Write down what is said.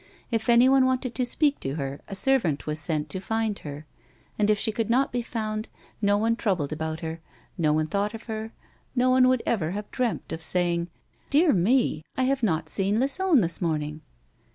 If anyone wanted to speak to her a servant was sent to find her, and if she could not be found no one troubled about her, no one thought of her, no one would ever have dreamt of saying :" Dear me ! I have not seen Lisou this morning."